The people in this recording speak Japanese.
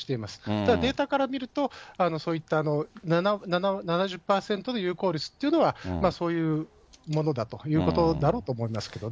ただ、データから見ると、そういった７０％の有効率というのは、そういうものだということだろうと思いますけどね。